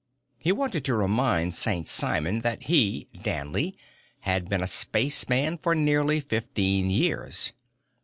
He wanted to remind St. Simon that he, Danley, had been a spaceman for nearly fifteen years.